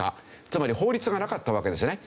つまり法律がなかったわけですよね。